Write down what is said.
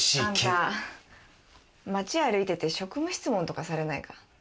あんた街歩いてて職務質問とかされないか？